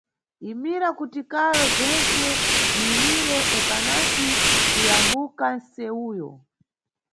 Imira kuti karo zentse ziyimire ukanati kuyambuka nʼsewuyo.